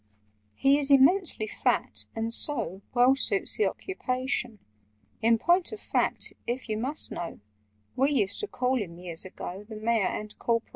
"He is immensely fat, and so Well suits the occupation: In point of fact, if you must know, We used to call him years ago, The Mayor and Corporation!